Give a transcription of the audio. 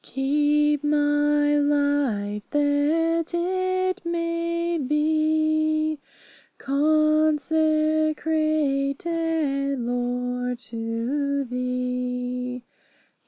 Keep my life, that it may be Consecrated, Lord, to Thee.